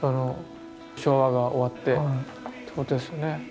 昭和が終わってってことですよね。